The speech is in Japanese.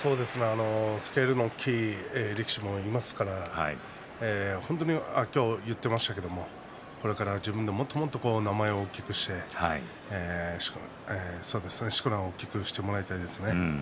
スケールの大きい力士もいますから本当に今日言っていましたけれどこれから自分でもっともっと名前を大きくしてしこ名を大きくしてもらいたいですね。